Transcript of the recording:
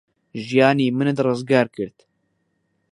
ژیانی منت ڕزگار کرد.